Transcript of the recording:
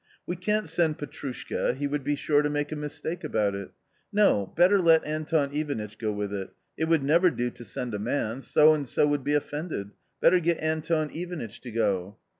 "We can't send Petrushka, he would be sure to make a mistake about it. 'No, better let Anton Ivanitch go with it ! It would never do to send a man ; so and so would be offended, better get Anton Ivanitch to go